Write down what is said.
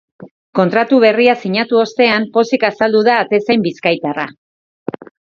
Kontratu berria sinatu ostean, pozik azaldu da atezain bizkaitarra.